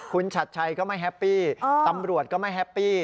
คุณชัดชัยก็ไม่แฮปปี้ตำรวจก็ไม่แฮปปี้